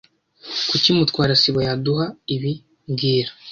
Kuki Mutwara sibo yaduha ibi mbwira